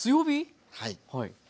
はい。